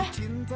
hah syukur deh